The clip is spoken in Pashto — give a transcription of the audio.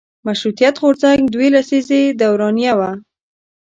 مشروطیت غورځنګ دوه لسیزې دورانیه وه.